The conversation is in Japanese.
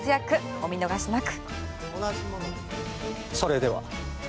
お見逃しなく。